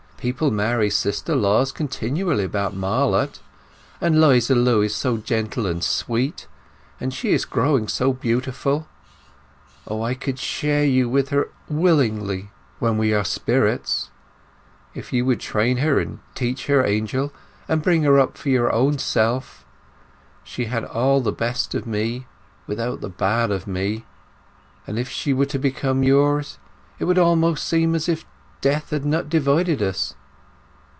People marry sister laws continually about Marlott; and 'Liza Lu is so gentle and sweet, and she is growing so beautiful. O, I could share you with her willingly when we are spirits! If you would train her and teach her, Angel, and bring her up for your own self!... She had all the best of me without the bad of me; and if she were to become yours it would almost seem as if death had not divided us...